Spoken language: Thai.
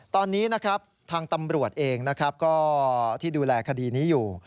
ตอนนี้นะครับทางตำรวจเองนะครับก็ที่ดูแลคดีนี้อยู่